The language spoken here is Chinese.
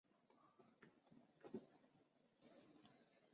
统一后的德国是如今唯一没有获得过奥运会金牌的世界杯冠军。